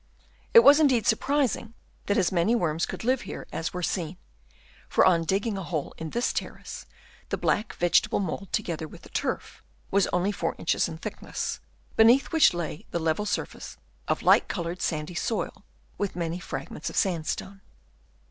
It was indeed surprising that as many worms could live here as were seen ; for on digging a hole in this terrace, the black vegetable mould together with the turf was only four inches in thickness, beneath which lay the level surface of light coloured sandy soil, with many fragments of sandstone.